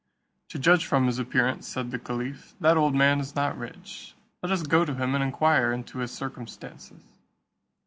"To judge from his appearance," said the caliph, "that old man is not rich; let us go to him and inquire into his circumstances."